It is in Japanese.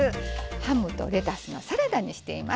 ハムとレタスのサラダにしています。